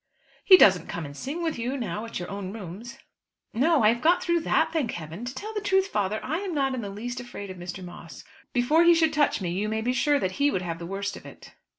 "He doesn't come and sing with you now at your own rooms." "No; I have got through that, thank Heaven! To tell the truth, father, I am not in the least afraid of Mr. Moss. Before he should touch me you may be sure that he would have the worst of it."